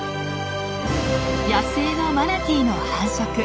野生のマナティーの繁殖。